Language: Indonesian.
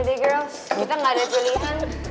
yaudah deh girls kita nggak ada pilihan